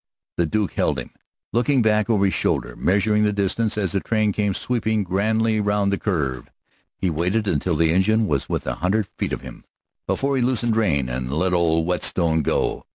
The Duke held him, looking back over his shoulder, measuring the distance as the train came sweeping grandly round the curve. He waited until the engine was within a hundred feet of him before he loosed rein and let old Whetstone go.